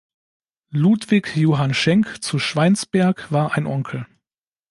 Ludwig Johann Schenck zu Schweinsberg war ein Onkel.